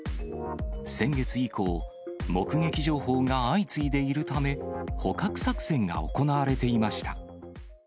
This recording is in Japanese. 先月以降、目撃情報が相次いでいるため、捕獲作戦が行われていました。